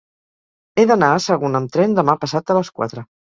He d'anar a Sagunt amb tren demà passat a les quatre.